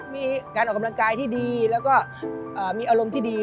มีการออกกำลังกายที่ดีแล้วก็มีอารมณ์ที่ดี